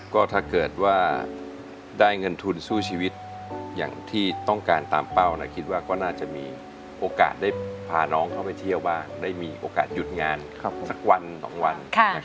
ก็ถ้าเกิดว่าได้เงินทุนสู้ชีวิตอย่างที่ต้องการตามเป้าคิดว่าก็น่าจะมีโอกาสได้พาน้องเข้าไปเที่ยวบ้างได้มีโอกาสหยุดงานสักวัน๒วัน